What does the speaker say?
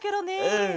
うん。